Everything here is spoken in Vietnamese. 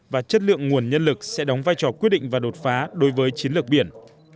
và chất lượng nguồn nhân lực sẽ đóng vai trò quyết định và đột phá đối với chiến lược biển